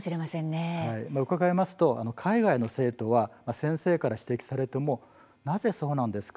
伺いますと海外の生徒は先生から指摘をされてもなぜそうなんですか？